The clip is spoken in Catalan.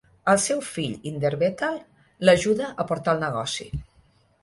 El seu fill Inderbethal l"ajuda a portar el negoci.